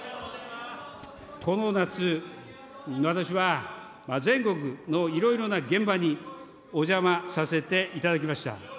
この夏、私は、全国のいろいろな現場にお邪魔させていただきました。